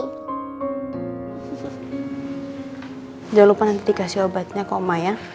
jangan lupa nanti dikasih obatnya ke mbak ma ya